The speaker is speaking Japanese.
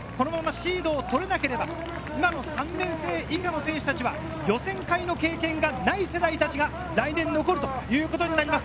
シードを取れなければ今の３年生以下の選手たちは、予選会の経験がない世代たちが来年残るということになります。